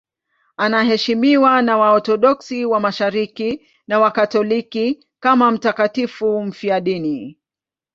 Anaheshimiwa na Waorthodoksi wa Mashariki na Wakatoliki kama mtakatifu mfiadini.